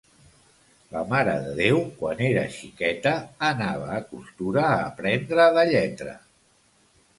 La Mare de Déu, quan era xiqueta, anava a costura a aprendre de lletra.